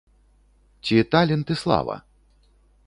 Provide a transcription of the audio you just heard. Ці талент і слава?